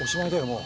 もう。